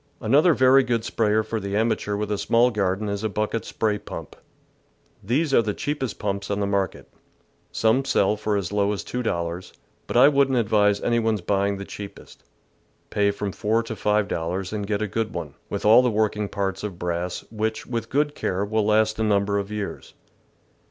Another very good sprayer for the amateur with a small garden is a bucket spray pump. These are the cheapest pumps on the market. Some sell for as low as two dollars, but I wouldn't advise any one's buying the cheapest. Pay from four to five dollars, and get a good one, with all the working parts of brass, which, with good care, will last a number of years.